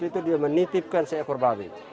itu dia menitipkan seekor babi